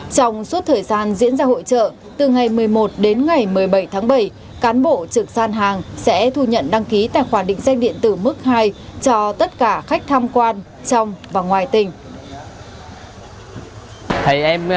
trong suốt thời gian diễn ra hội trợ từ ngày một mươi một đến ngày một mươi bảy tháng bảy cán bộ trực gian hàng sẽ thu nhận đăng ký tài khoản định danh điện tử mức hai cho tất cả khách tham quan trong và ngoài tỉnh